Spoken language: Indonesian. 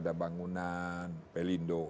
ada bangunan pelindo